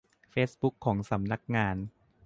เฟซบุ๊กของสำนักงาน